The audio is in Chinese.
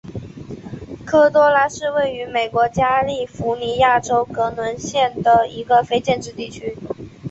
科多拉是位于美国加利福尼亚州格伦县的一个非建制地区。